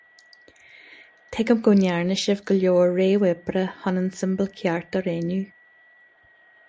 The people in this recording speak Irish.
Tuigim go ndearna sibh go leor réamh-oibre chun an siombal ceart a roghnú.